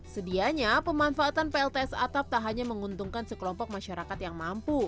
sedianya pemanfaatan plts atap tak hanya menguntungkan sekelompok masyarakat yang mampu